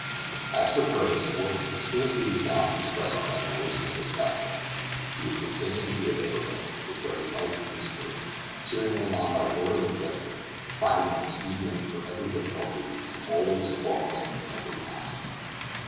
As for Curtis, words can scarcely be found to express our admiration of his character; he is the same as he has ever been, the very life of his crew, cheering them on by word or gesture; finding an expedient for every difficulty, and always foremost in every action.